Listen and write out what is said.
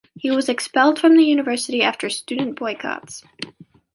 He was expelled from the university after student boycotts.